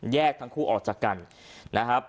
ทั้งคู่ออกจากกันนะครับ